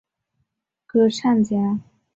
中国十大民族女高音歌唱家。